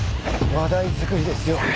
話題づくりですよ。